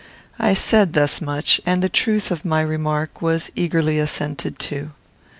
I said thus much, and the truth of my remark was eagerly assented to.